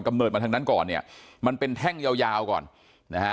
เนิดมาทางนั้นก่อนเนี่ยมันเป็นแท่งยาวยาวก่อนนะฮะ